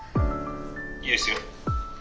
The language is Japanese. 「いいですよ」。